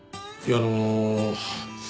いやあの。